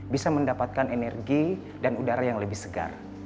bisa mendapatkan energi dan udara yang lebih segar